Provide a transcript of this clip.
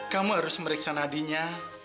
kamu harus meriksa nadinya